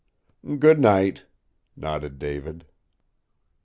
"Good night!" nodded David.